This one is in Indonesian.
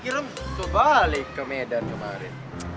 bisa pikir om kembali ke medan kemarin